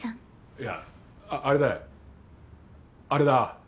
いやあれだよあれだ。